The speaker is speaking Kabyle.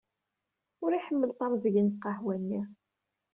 Ur iḥumel terẓeg n lqahwa-nni